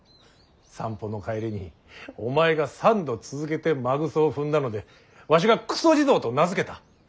散歩の帰りにお前が３度続けて馬糞を踏んだのでわしがくそ地蔵と名付けた。